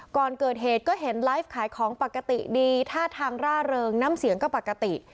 ก่อนเกิดเหตุก็เห็นไลฟ์ขายของปกติดีท่าทางร่าเริงน้ำเสียงก็ปกติ